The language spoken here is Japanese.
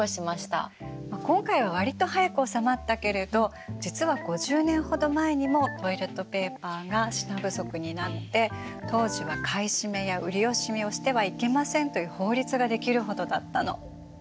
今回は割と早く収まったけれど実は５０年ほど前にもトイレットペーパーが品不足になって当時は買い占めや売り惜しみをしてはいけませんという法律が出来るほどだったの。